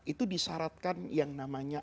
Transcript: itu disaratkan yang namanya